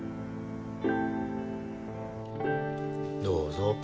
どうぞ。